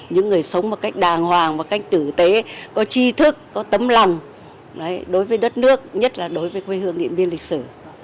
những người sống một cách đàng hoàng một cách tử tế có chi thức có tấm lòng đối với đất nước nhất là đối với quê hương điện biên lịch sử